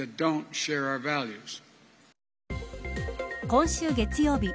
今週月曜日